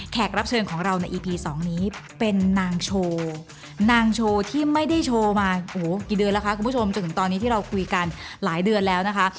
รับเชิญของเราในอีพี๒นี้เป็นนางโชว์นางโชว์ที่ไม่ได้โชว์มากี่เดือนแล้วคะคุณผู้ชมจนถึงตอนนี้ที่เราคุยกันหลายเดือนแล้วนะคะ